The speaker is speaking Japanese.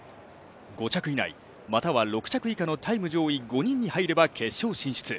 ５着以内、または６着以下のタイム上位５位に入れば決勝進出。